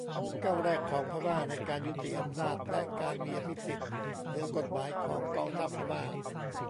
ก้าวแรกของพม่าในการยุติอำนาจและการมีอภิสิทธิ์เหนือกฎหมายของกองทัพพม่า